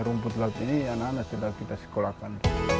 rumput laut ini anak anak sudah kita sekolahkan